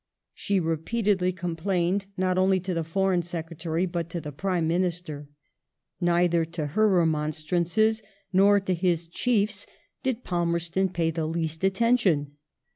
She repeatedly complained not only to the Foreign Secretary, but to the Prime Minister. Neither to her remonstrances nor to his Chief's did Palmerston pay the least attention.